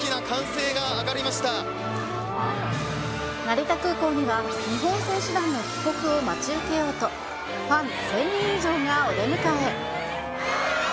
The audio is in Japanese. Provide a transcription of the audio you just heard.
成田空港には、日本選手団の帰国を待ち受けようと、ファン１０００人以上がお出迎え。